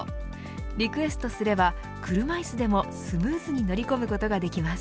リクエストすれば車いすでもスムーズに乗り込むことができます。